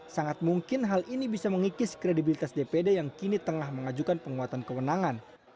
sangat mungkin hal ini bisa mengikis kredibilitas dpd yang kini tengah mengajukan penguatan kewenangan